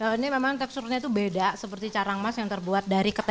ini memang teksturnya itu beda seperti carang emas yang terbuat dari kepemi